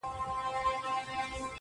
درد او غم به مي سي هېر ستا له آوازه،